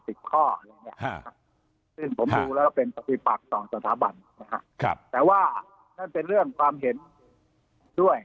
ซึ่งผมดูแล้วเป็นปฏิปักต่อสถาบันนะฮะครับแต่ว่านั่นเป็นเรื่องความเห็นด้วย